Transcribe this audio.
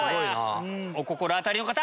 お心当たりの方！